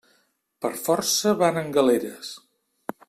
Per força van en galeres.